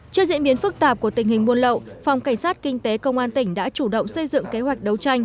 trước diễn biến phức tạp của tình hình buôn lậu phòng cảnh sát kinh tế công an tỉnh đã chủ động xây dựng kế hoạch đấu tranh